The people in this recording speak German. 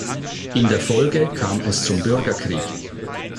In der Folge kam es zum Bürgerkrieg.